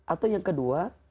atau yang kedua